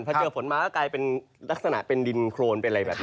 พอเจอฝนมาก็กลายเป็นลักษณะเป็นดินโครน